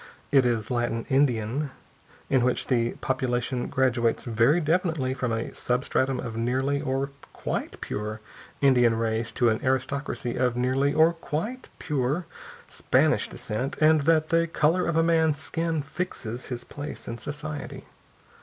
It is Latin Indian, in which the population graduates very definitely from a sub stratum of nearly or quite pure Indian race to an aristocracy of nearly or quite pure Spanish descent, and that the color of a man's skin fixes his place in society.